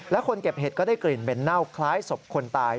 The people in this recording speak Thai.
และคนเก็บเห็ดก็ได้กลิ่นเหม็นเน่าคล้ายศพคนตาย